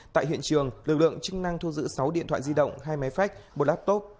tại hiện trường lực lượng chức năng thu giữ sáu điện thoại di động hai máy phách một laptop